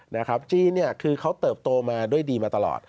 นะครับจีนเนี่ยคือเขาเติบโตมาด้วยดีมาตลอด